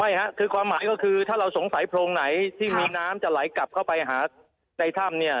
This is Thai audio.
ค่ะคือความหมายก็คือถ้าเราสงสัยโพรงไหนที่มีน้ำจะไหลกลับเข้าไปหาในถ้ำเนี่ย